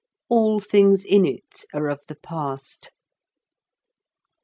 All things in it are of the past."